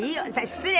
失礼。